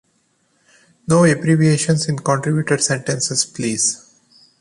No abbreviatins in contributed sentences, please.